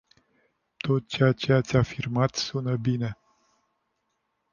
Tot ceea ce ați afirmat sună bine.